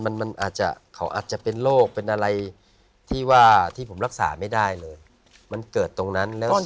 มันมันอาจจะเขาอาจจะเป็นโรคเป็นอะไรที่ว่าที่ผมรักษาไม่ได้เลยมันเกิดตรงนั้นแล้ว